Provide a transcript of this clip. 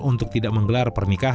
untuk tidak menggelar